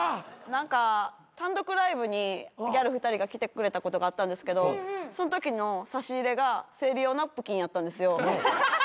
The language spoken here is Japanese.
何か単独ライブにギャル２人が来てくれたことがあったんですけどそんときの差し入れが生理用ナプキンやったんですよ。